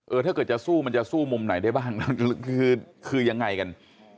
ถ้าเกิดจะสู้มันจะสู้มุมไหนได้บ้างคือยังไงกัน